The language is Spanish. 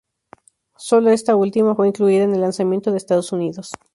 Sólo esta última fue incluida en el lanzamiento de Estados Unidos.